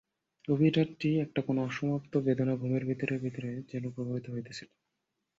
গতরাত্রির একটা কোনো অসমাপ্ত বেদনা ঘুমের ভিতরে ভিতরে যেন প্রবাহিত হইতেছিল।